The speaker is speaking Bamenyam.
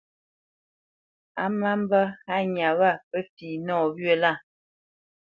A má mbə́ hánya wâ pə́ fi nɔwyə̂ lâ.